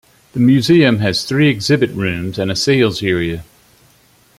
The museum has three exhibit rooms and a sales area.